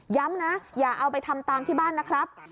ย้ำนะอย่าเอาไปทำตามที่บ้านนะครับ